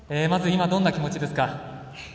今、どんな気持ちですか？